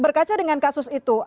berkaca dengan kasus itu